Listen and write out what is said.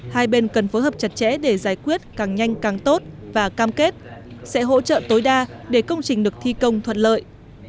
hai bên cần phối hợp chặt chẽ để giải quyết càng nhanh càng tốt và cam kết sẽ hỗ trợ tối đa để công trình được thi công thuận lợi